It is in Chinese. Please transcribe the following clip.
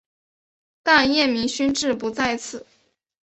但叶明勋志不在此。